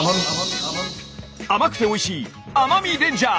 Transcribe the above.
甘くておいしい甘味レンジャー！